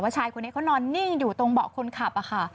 ชายคนนี้เขานอนนิ่งอยู่ตรงเบาะคนขับค่ะ